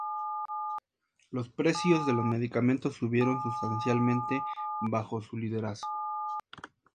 Los precios de los medicamentos subieron sustancialmente bajo su liderazgo.